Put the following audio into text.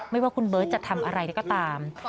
ไม่ว่าคุณเบิร์ตจะทำอะไรก็ตาม